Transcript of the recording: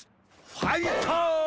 ファイト！